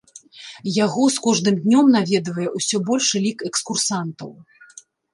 Яго з кожным днём наведвае ўсё большы лік экскурсантаў.